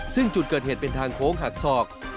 ซึ่งจุดเกิดเหตุเป็นทางโค้งหักศอก